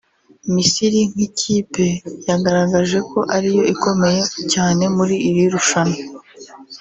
Misiri nk’ikipe yagaragaje ko ariyo ikomeye cyane muri iri rushanwa